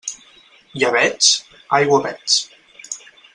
Llebeig?, aigua veig.